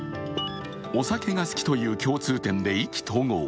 お酒が好きという共通点で意気投合。